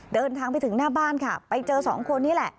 เดินทางไปถึงหน้าบ้านค่ะไปเจอสองคนนี้แหละ